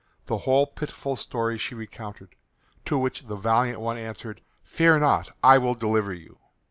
The whole pitiful story she recounted, to which the valiant one answered, "Fear not; I will deliver you."